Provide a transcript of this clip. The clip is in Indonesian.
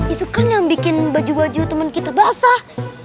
itu kan yang bikin baju baju teman kita basah